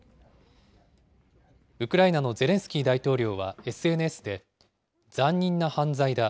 ウクライナのゼレンスキー大統領はＳＮＳで、残忍な犯罪だ。